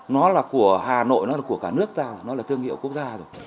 nó là của hà nội nó là của cả nước ta nó là thương hiệu quốc gia rồi